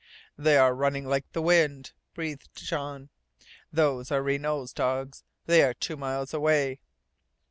"They are running like the wind!" breathed Jean. "Those are Renault's dogs. They are two miles away!"